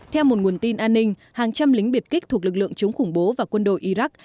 theo một nguồn tin an ninh hàng trăm lính biệt kích thuộc lực lượng chống khủng bố và quân đội iraq